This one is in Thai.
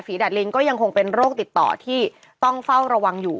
ดัดลิงก็ยังคงเป็นโรคติดต่อที่ต้องเฝ้าระวังอยู่